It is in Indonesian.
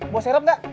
mau serap gak